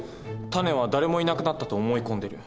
タネは誰もいなくなったと思い込んでいる。